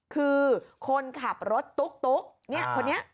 คือคนขับรถตุ๊กคนนี้